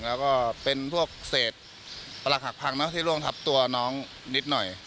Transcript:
แล้วก็เป็นพวกเศษประหลักหักพังที่ร่วงทับตัวน้องนิดหน่อย